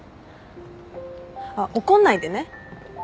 あっ怒んないでね。